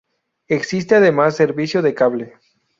Existe además servicio de cable.